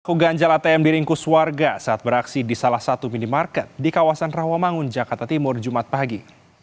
aku ganjal atm diringkus warga saat beraksi di salah satu minimarket di kawasan rawamangun jakarta timur jumat pagi